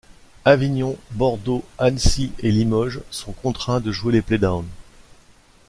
Avignon, Bordeaux, Annecy et Limoges sont contraints de jouer les play-downs.